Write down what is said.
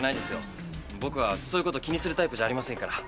僕はそういうこと気にするタイプじゃありませんから。